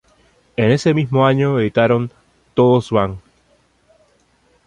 En ese mismo año editaron "Todos van".